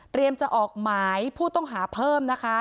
เตรียมจะออกไหมผู้ต้องหาเพิ่มนะคะ